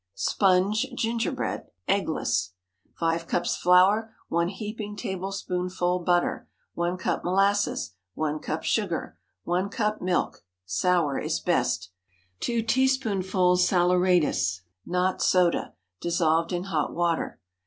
SPONGE GINGERBREAD (eggless.) ✠ 5 cups flour. 1 heaping tablespoonful butter. 1 cup molasses. 1 cup sugar. 1 cup milk (sour is best). 2 teaspoonfuls saleratus, not soda, dissolved in hot water.